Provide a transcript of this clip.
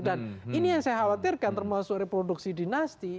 dan ini yang saya khawatirkan termasuk reproduksi dinasti